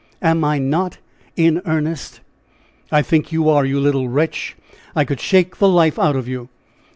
Am I not in earnest?" "I think you are, you little wretch! I could shake the life out of you!"